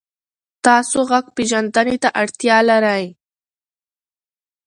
تاسو غږ پېژندنې ته اړتیا لرئ.